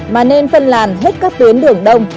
mà nên phân làn hết các tuyến đường đông